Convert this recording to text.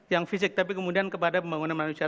yang fisik tapi kemudian kepada pembangunan manusia